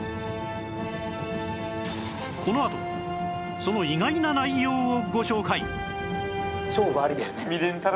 このあとその意外な内容をご紹介